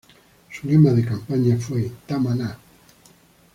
Su lema de campaña fue: ""Tama na!